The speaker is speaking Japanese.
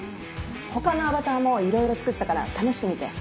他のアバターもいろいろ作ったから試してみて。